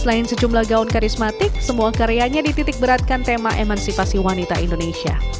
selain sejumlah gaun karismatik semua karyanya dititik beratkan tema emansipasi wanita indonesia